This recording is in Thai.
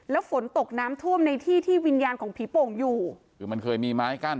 แล้วฝนตกน้ำท่วมในที่ที่วิญญาณของผีโป่งอยู่คือมันเคยมีไม้กั้น